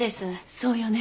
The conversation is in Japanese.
そうよね。